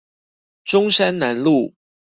中山南路